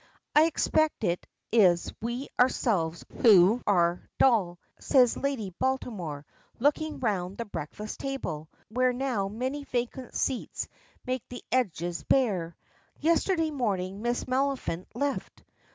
"I expect it is we ourselves who are dull," says Lady Baltimore, looking round the breakfast table, where now many vacant seats make the edges bare. Yesterday morning Miss Maliphant left.